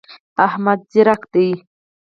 احمد ځیرک دی.